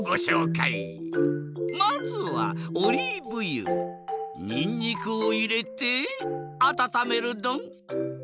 まずはオリーブ油にんにくをいれてあたためるドン。